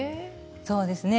そうですね。